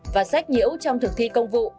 và sách nhiễu trong thực thi công vụ